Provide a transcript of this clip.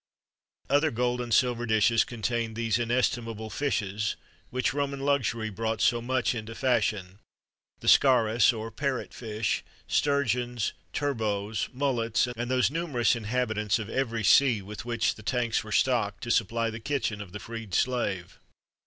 Other gold and silver dishes contained these inestimable fishes which Roman luxury brought so much into fashion; the scarus, or parrot fish, sturgeons, turbots, mullets, and those numerous inhabitants of every sea with which the tanks were stocked, to supply the kitchen of the freed slave.